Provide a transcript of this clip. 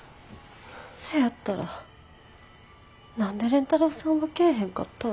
せやったら何で蓮太郎さんは来えへんかったん？